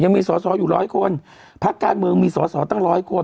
ยังมีสอสออยู่ร้อยคนพักการเมืองมีสอสอตั้งร้อยคน